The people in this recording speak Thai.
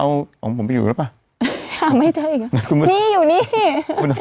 เอาเอาผมไปอยู่แล้วป่ะอ้าวไม่ใช่นี่อยู่นี่คุณพระดาม